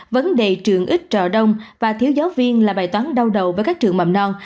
vấn đề trường ít trọ đông và thiếu giáo viên là bài toán đau đầu với các trường mầm non